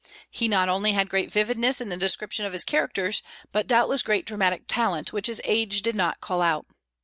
He not only had great vividness in the description of his characters, but doubtless great dramatic talent, which his age did not call out.